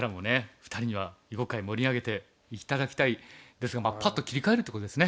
２人には囲碁界盛り上げて頂きたいですがまあパッと切り替えるってことですね。